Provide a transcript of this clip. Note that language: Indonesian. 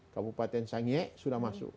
kabupaten sangie sudah masuk